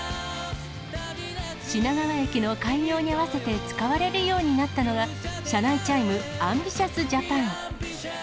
品川駅の開業に合わせて使われるようになったのが、車内チャイム、ＡＭＢＩＴＩＯＵＳＪＡＰＡＮ！